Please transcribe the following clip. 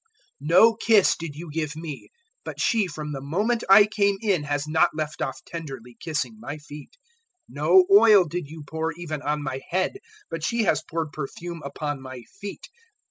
007:045 No kiss did you give me; but she from the moment I came in has not left off tenderly kissing my feet. 007:046 No oil did you pour even on my head; but she has poured perfume upon my feet.